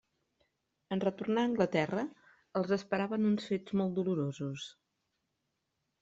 En retornar a Anglaterra els esperaven uns fets molt dolorosos.